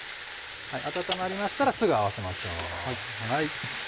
温まりましたらすぐ合わせましょう。